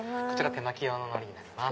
手巻き用の海苔になります。